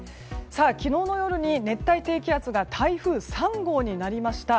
昨日の夜に熱帯低気圧が台風３号になりました。